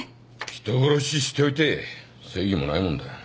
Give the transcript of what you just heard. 人殺ししておいて正義もないもんだ。